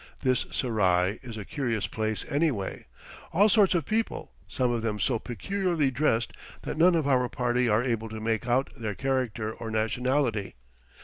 This serai is a curious place, anyway. All sorts of people, some of them so peculiarly dressed that none of our party are able to make out their character or nationality.